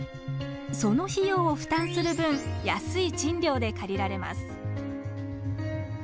その費用を負担する分安い賃料で借りられます。